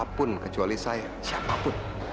siapapun kecuali saya siapapun